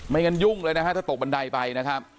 งั้นยุ่งเลยนะฮะถ้าตกบันไดไปนะครับ